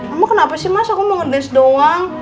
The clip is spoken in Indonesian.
emang kenapa sih mas aku mau ngedes doang